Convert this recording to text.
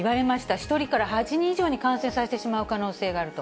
１人から８人以上に感染させてしまう可能性があると。